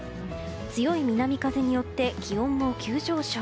強い南風によって気温も急上昇。